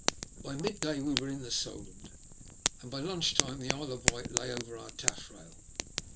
By mid day we were in the Solent, and by lunch time the Isle of Wight lay over our taffrail.